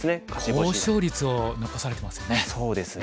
高勝率を残されてますよね。